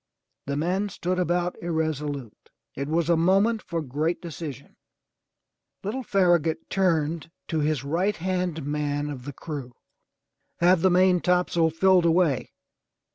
The men stood about irresolute. It was a moment for great decision. Little Farragut turned to his right hand man of the crew. "Have the maintopsail filled away!"